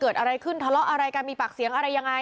เกิดอะไรขึ้นทะเลาะอะไรกันมีปากเสียงอะไรยังไง